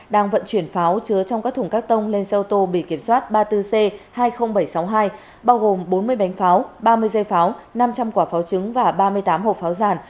đang vận chuyển pháo chứa trong các thùng các tông lên xe ô tô bị kiểm soát ba mươi bốn c hai mươi nghìn bảy trăm sáu mươi hai bao gồm bốn mươi bánh pháo ba mươi dây pháo năm trăm linh quả pháo trứng và ba mươi tám hộp pháo giàn